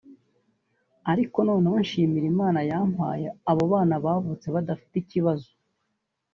ariko nanone nshimira Imana yampaye abo bana bavutse badafite ikibazo